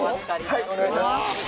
はいお願いします